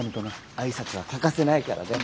挨拶は欠かせないからね。